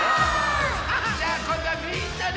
じゃあこんどはみんなで！